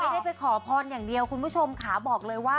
ได้ไปขอพรอย่างเดียวคุณผู้ชมขาบอกเลยว่า